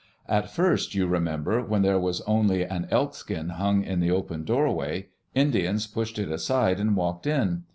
At first, you remember, when there was only an elk skin hung in the open doorway, Indians pushed it aside and walked in.